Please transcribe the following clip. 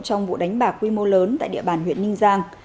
trong vụ đánh bạc quy mô lớn tại địa bàn huyện ninh giang